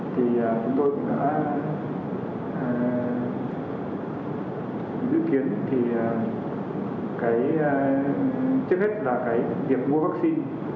thì chúng tôi cũng đã dự kiến thì trước hết là cái việc mua vaccine